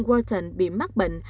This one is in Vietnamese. wharton bị mắc bệnh